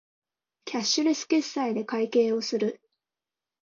キャッシュレス決済で会計をする